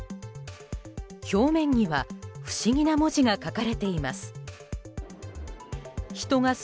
表面には不思議な文字が書かれています。